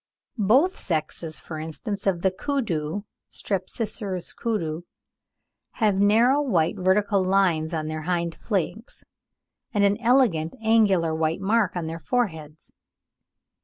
Both sexes, for instance, of the koodoo (Strepsiceros kudu) (Fig. 64) have narrow white vertical lines on their hind flanks, and an elegant angular white mark on their foreheads.